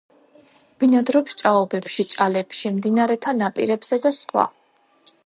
ბინადრობს ჭაობებში, ჭალებში, მდინარეთა ნაპირებზე და სხვა.